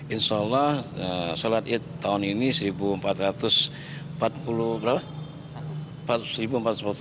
insya allah sholat id tahun ini seribu empat ratus empat puluh berapa